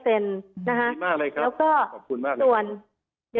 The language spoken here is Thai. ดีมากเลยครับขอบคุณมากเลยครับ